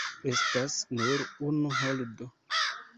Estas nur unu holdo.